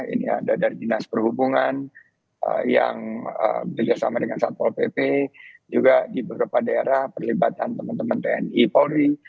ini ada dari dinas perhubungan yang bekerjasama dengan satpol pp juga di beberapa daerah perlibatan teman teman tni polri